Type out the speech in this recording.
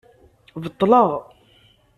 Beṭṭleɣ.